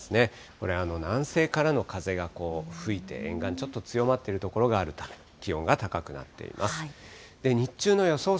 これ、南西からの風が吹いて、沿岸、ちょっと強まっている所があるため、気温が高くなっています。